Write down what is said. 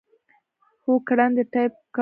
هو، ګړندی ټایپ کوم